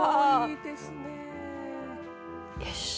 よし！